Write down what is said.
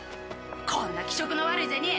こんな気色の悪い！